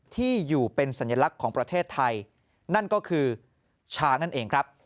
ที่อยู่เป็นสัญลักษณ์ของประเทศไทยนั่นก็คือชานั่นเองครับ